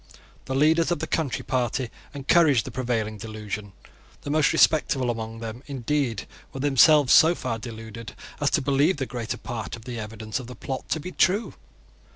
The leaders of the Country Party encouraged the prevailing delusion. The most respectable among them, indeed, were themselves so far deluded as to believe the greater part of the evidence of the plot to be true.